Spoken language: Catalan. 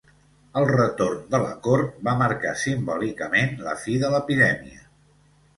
El retorn de la cort va marcar simbòlicament la fi de l'epidèmia.